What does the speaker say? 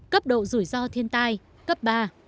cấp độ rủi ro thiên tai cấp ba